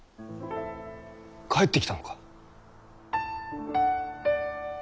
帰ってきたのか？